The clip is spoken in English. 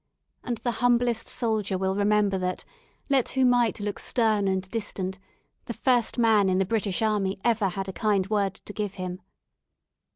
And the humblest soldier will remember that, let who might look stern and distant, the first man in the British army ever had a kind word to give him.